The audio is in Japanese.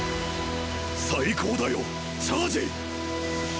最高だよチャージ。